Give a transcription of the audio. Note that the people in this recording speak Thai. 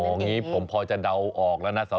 อย่างนี้ผมพอจะเดาออกแล้วนะ